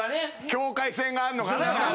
境界線があんのかな。